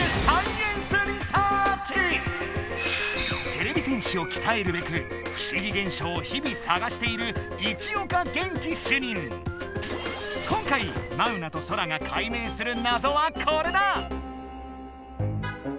てれび戦士をきたえるべく不思議現象を日々さがしている今回マウナとソラが解明するなぞはこれだ！